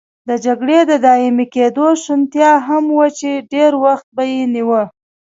د جګړې د دایمي کېدو شونتیا هم وه چې ډېر وخت به یې نیوه.